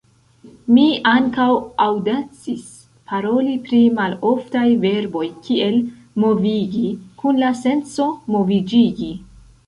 Mi ankaŭ aŭdacis paroli pri maloftaj verboj kiel "movigi" kun la senco "moviĝigi".